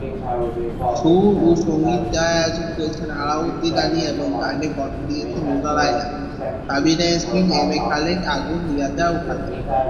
সুর ও সঙ্গীতায়োজন করেছেন আলাউদ্দিন আলী এবং গানে কণ্ঠ দিয়েছেন রুনা লায়লা, সাবিনা ইয়াসমিন, এম এ খালেক, আগুন, রিজিয়া খালেক।